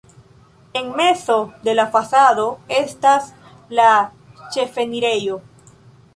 En mezo de la fasado estas la ĉefenirejo.